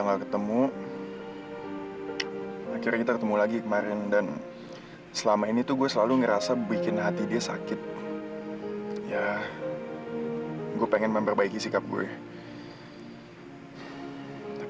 sampai jumpa di video selanjutnya